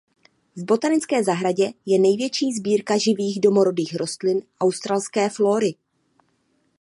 V botanické zahradě je největší sbírka živých domorodých rostlin australské flóry.